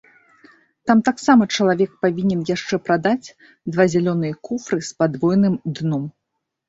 Там таксама чалавек павінен яшчэ прадаць два зялёныя куфры з падвойным дном.